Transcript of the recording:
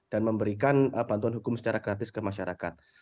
dan memberikan bantuan hukum secara gratis ke masyarakat